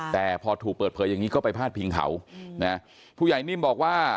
แต่พอถูกเปิดเผยอย่างนี้ก็ไปพาดพิงเขานะผู้ใหญ่นิ่มบอกว่า